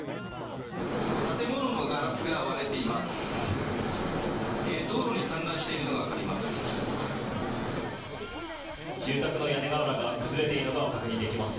建物のガラスが割れています。